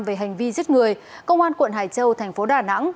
về hành vi giết người công an quận hải châu thành phố đà nẵng